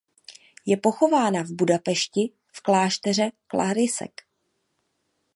Je pochována v Budapešti v klášteře klarisek.